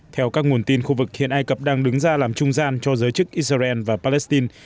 theo các nguồn tin khu vực hiện ai cập đang đứng ra làm trung gian cho giới chức israel và palestine